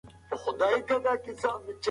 د ځنګلي ونو انقراض خطر لوړ دی.